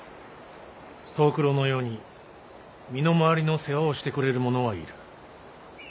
藤九郎のように身の回りの世話をしてくれる者はいる。